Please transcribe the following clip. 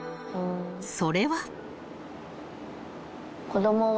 ［それは］